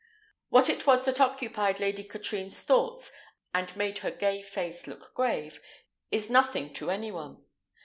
What it was that occupied Lady Katrine's thoughts, and made her gay face look grave, is nothing to any one.